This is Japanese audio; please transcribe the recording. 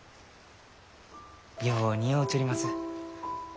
よう似合うちょります。